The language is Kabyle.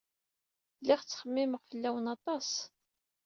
Lliɣ ttxemmimeɣ fell-awen aṭas.